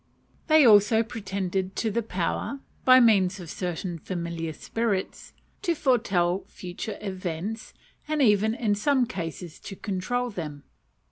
They also pretended to the power by means of certain familiar spirits to foretell future events, and even in some cases to control them.